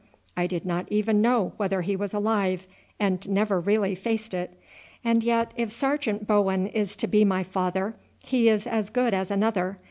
I did not even know whether he was alive, and never really faced it; and yet, if Sergeant Bowen is to be my father, he is as good as another.